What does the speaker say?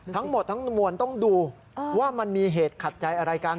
ทั้งหมดทั้งมวลต้องดูว่ามันมีเหตุขัดใจอะไรกัน